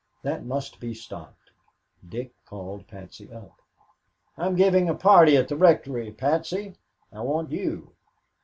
That must be stopped. Dick called Patsy up. "I'm giving a party at the Rectory, Patsy. I want you.